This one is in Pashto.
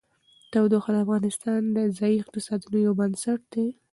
تودوخه د افغانستان د ځایي اقتصادونو یو بنسټ دی.